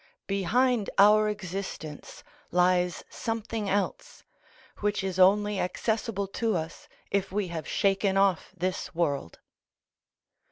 Behind our existence lies something else, which is only accessible to us if we have shaken off this world.